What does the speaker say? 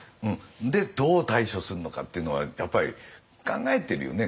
でどう対処するのかっていうのはやっぱり考えてるよね。